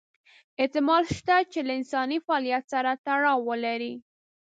احتمال شته چې له انساني فعالیت سره تړاو ولري.